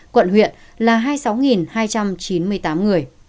quận huyện là hai mươi sáu hai trăm chín mươi tám người